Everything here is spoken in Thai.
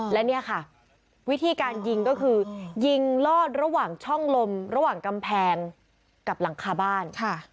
และเนี่ยค่ะวิธีการยิงก็คือยิงลอดระหว่างช่องลมระหว่างกำแพงกับหลังคาบ้าน